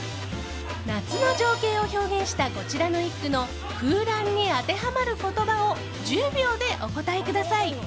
夏の情景を表現したこちらの一句の空欄に当てはまる言葉を１０秒でお答えください。